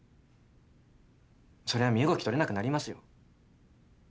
そりゃあ身動き取れなくなりますよ。